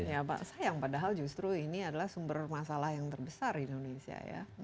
ya pak sayang padahal justru ini adalah sumber masalah yang terbesar di indonesia ya